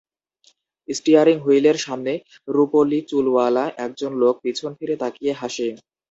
Steering হুইলের সামনে রুপোলি চুলওয়ালা একজন লোক পিছন ফিরে তাকিয়ে হাসে।